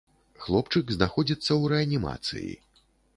Хлопчык знаходзіцца ў рэанімацыі.